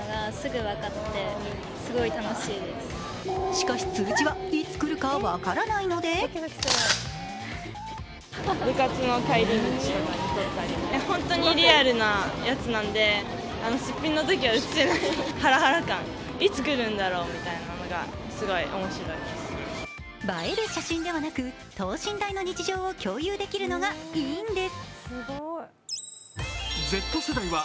しかし、通知はいつ来るか分からないので映える写真ではなく等身大の日常を共有できるのがいいんです。